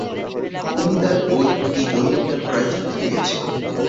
তিনি তার বই দি ওরিয়েন্টাল ক্রাইস্ট লিখে গেছেন।